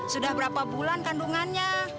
sudah berapa bulan kandungannya